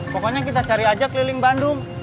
pokoknya kita cari aja keliling bandung